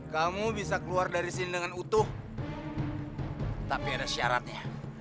kamu bisa keluar dari sini dengan utuh tapi ada syaratnya